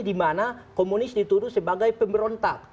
dimana komunis dituduh sebagai pemberontak